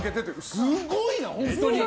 すごいな、本当に。